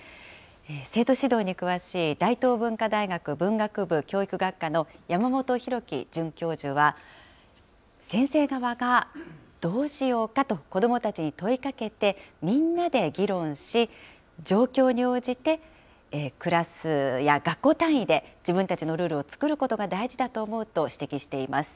生徒指導に詳しい大東文化大学文学部教育学科の山本宏樹准教授は、先生側が、どうしようかと、子どもたちに問いかけて、みんなで議論し、状況に応じて、クラスや学校単位で自分たちのルールを作ることが大事だと思うと指摘しています。